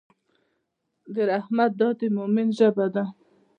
د رحمت دعا د مؤمن ژبه ده.